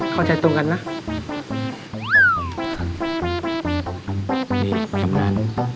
เข้าใจตรงกันนะ